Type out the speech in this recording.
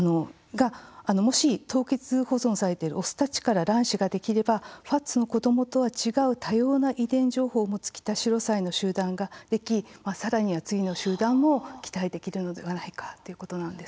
もし凍結保存されているオスたちから卵子ができればファツの子どもとは違う多様な遺伝情報を持つキタシロサイの集団ができさらには次の集団を期待できるのではないかということです。